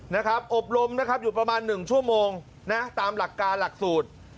นะครับอบรมนะครับอยู่ประมาณ๑ชั่วโมงนะตามหลักการหลักสูตร